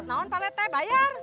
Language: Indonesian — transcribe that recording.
non palet teh bayar